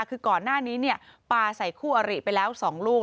คือก่อนหน้านี้ปลาใส่คู่อริไปแล้ว๒ลูก